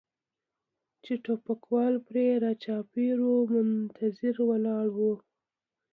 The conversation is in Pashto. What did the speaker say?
چې ټوپکوال پرې را چاپېر و منتظر ولاړ و.